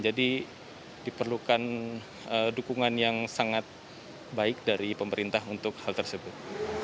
jadi diperlukan dukungan yang sangat baik dari pemerintah untuk hal tersebut